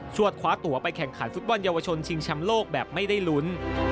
วดคว้าตัวไปแข่งขันฟุตบอลเยาวชนชิงแชมป์โลกแบบไม่ได้ลุ้น